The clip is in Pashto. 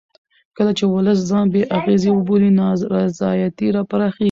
کله چې ولس ځان بې اغېزې وبولي نا رضایتي پراخېږي